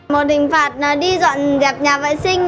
một hình phạt đi dọn dẹp nhà vệ sinh